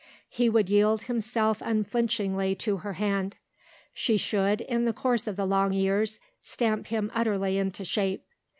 He would yield himself unflinchingly to her hand; she should, in the course of the long years, stamp him utterly into shape.